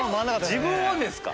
自分をですか？